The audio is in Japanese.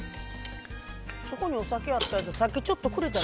そこにお酒あったならさっきちょっとくれれば。